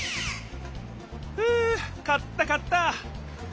ふう買った買った！